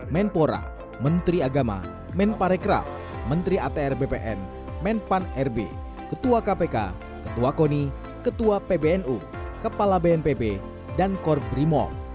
menpora menteri agama menparekraf menteri atr bpn menpan rb ketua kpk ketua koni ketua pbnu kepala bnpb dan korbrimo